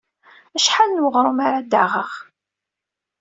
Acḥal n weɣrum ara d-aɣeɣ?